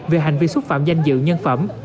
về hành vi xúc phạm danh dự nhân phẩm